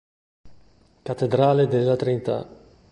Cattedrale della Trinità